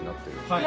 はい。